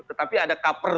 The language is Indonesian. tetapi ada kaper